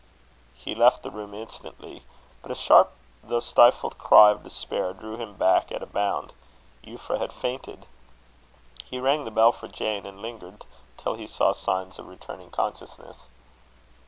He left the room instantly. But a sharp though stifled cry of despair drew him back at a bound. Euphra had fainted. He rang the bell for Jane; and lingered till he saw signs of returning consciousness.